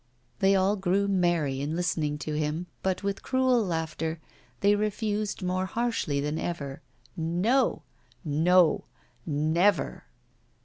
They all grew merry in listening to him, but with cruel laughter they refused more harshly than ever. 'No, no, never!